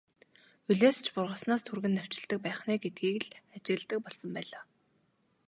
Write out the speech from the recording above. Улиас ч бургаснаас түргэн навчилдаг байх нь ээ гэдгийг л ажигладаг болсон байлаа.